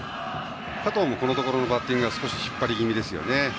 加藤もこのところのバッティング引っ張り気味ですよね。